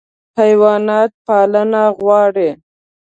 حیوانات پالنه غواړي.